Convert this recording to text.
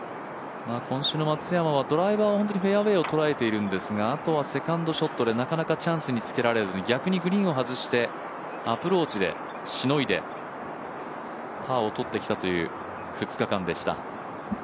今週の松山はドライバーは本当にフェアウエーをとらえてるんですがあとはセカンドショットでなかなかチャンスにつけられずに逆にグリーンを外してアプローチでしのいでパーを取ってきたという２日間でした。